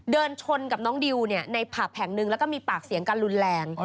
เดินชนกับน้องดิวในผับแห่งหนึ่งแล้วก็มีปากเสียงกันรุนแรง